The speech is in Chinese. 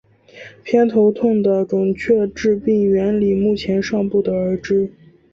偏头痛的准确致病原理目前尚不得而知。